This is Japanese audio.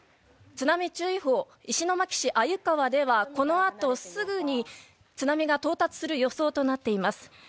津波注意報、石巻市鮎川ではこのあとすぐに津波が到達する予想となっています。